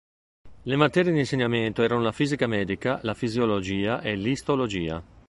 Le materie di insegnamento erano la Fisica medica, la Fisiologia e l'Istologia.